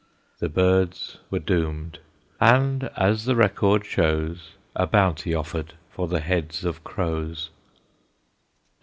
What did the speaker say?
The birds were doomed; and, as the record shows, A bounty offered for the heads of crows.